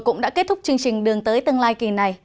cũng đã kết thúc chương trình đường tới tương lai kỳ này